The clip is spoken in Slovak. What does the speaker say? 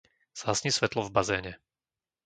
Zhasni svetlo v bazéne.